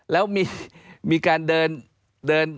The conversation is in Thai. แล้วมีการเดิน